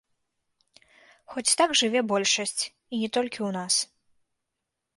Хоць так жыве большасць, і не толькі ў нас.